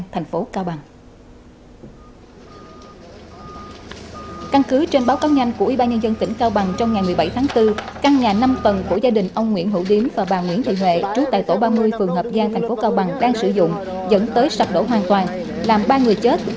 theo nhanh của ủy ban nhân dân tỉnh cao bằng trong ngày một mươi bảy tháng bốn căn nhà năm tầng của gia đình ông nguyễn hữu điếm và bà nguyễn thị huệ trú tại tổ ba mươi phường hợp giang thành phố cao bằng đang sử dụng dẫn tới sập đổ hoàn toàn làm ba người chết